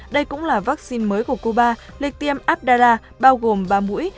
đây cũng là vaccine mới của cuba lịch tiêm abdala bao gồm ba mũi